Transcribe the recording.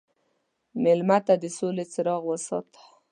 مېلمه ته د سولې څراغ وساته.